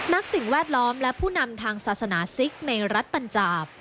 สิ่งแวดล้อมและผู้นำทางศาสนาซิกในรัฐปัญจาบ